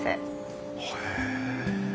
へえ。